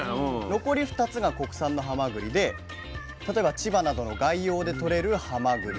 残り２つが国産のハマグリで例えば千葉などの外洋でとれるハマグリ。